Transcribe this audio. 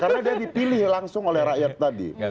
nah itu dipilih langsung oleh rakyat tadi